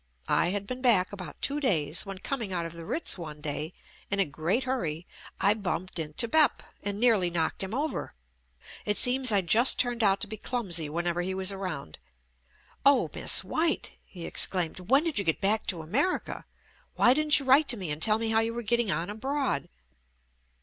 I had been back about two days when coming out of the Ritz one day in a great hurry I bumped into "Bep" and nearly knocked him over. It seems I just turned out to be clumsy whenever he was around. "Oh, Miss White," he exclaimed, "when did you get back to America? Why didn't you write to me and tell me how you were getting on abroad?"